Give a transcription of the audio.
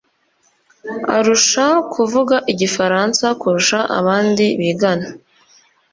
arusha kuvuga igifaransa kurusha abandi bigana